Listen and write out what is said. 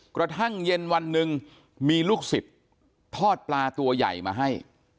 กระทั่งเย็นวันหนึ่งมีลูกศิษย์ทอดปลาตัวใหญ่มาให้